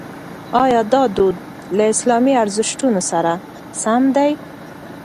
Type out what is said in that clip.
ایا دا دود له اسلامي ارزښتونو سره سم دی؟